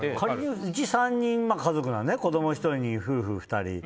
うちは３人家族子供１人に夫婦２人。